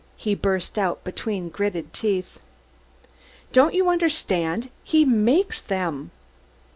_" he burst out between gritting teeth. "Don't you understand? _He makes them!